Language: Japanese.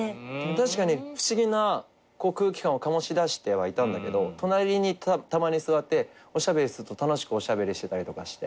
確かに不思議な空気感を醸し出してはいたんだけど隣にたまに座っておしゃべりすると楽しくおしゃべりしたりとかして。